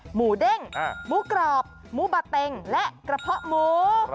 หมูเด้งหมูกรอบหมูบาเต็งและกระเพาะหมู